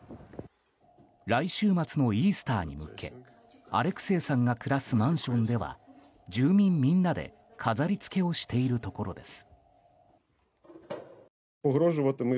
来週末のイースターに向けアレクセイさんが暮らすマンションでは住民みんなで飾り付けをしているところです。